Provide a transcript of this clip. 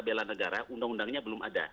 bela negara undang undangnya belum ada